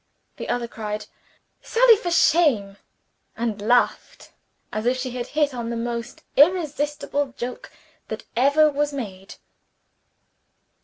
The other cried, "Sally, for shame!" and laughed, as if she had hit on the most irresistible joke that ever was made.